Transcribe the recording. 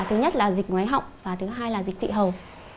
thứ nhất là dịch ngoái họng và thứ hai là dịch tị hầu